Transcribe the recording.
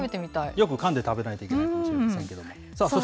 よくかんで食べないといけないかもしれませんけれども。